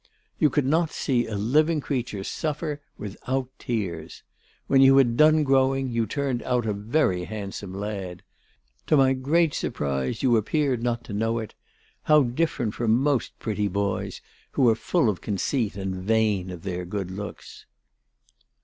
You could not see a living creature suffer without tears. When you had done growing, you turned out a very handsome lad. To my great surprise, you appeared not to know it, how different from most pretty boys, who are full of conceit and vain of their good looks!"